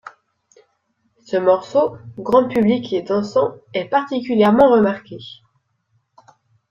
Ce morceau, grand public et dansant, est particulièrement remarqué.